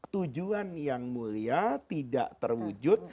tujuan yang mulia tidak terwujud